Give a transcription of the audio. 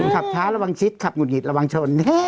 ขับช้าระวังชิดขับหุดหิดระวังชน